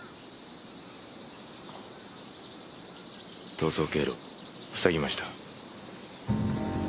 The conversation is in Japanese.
逃走経路塞ぎました。